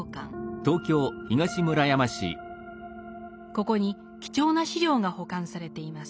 ここに貴重な資料が保管されています。